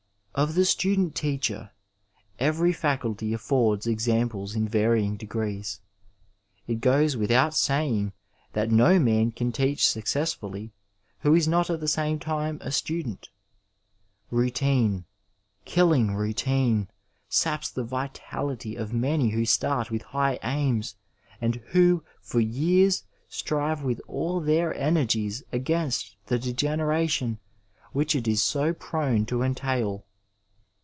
Of the student Uaeher every faculty affords examples in varying degrees, [t goes without saying that no man can teach successfully who is not at the same time a student. Routine, killing routine, saps the vitality of many who start with high aims, and who, for years, strive with all their energies against the degeneration which it is so prone to entail.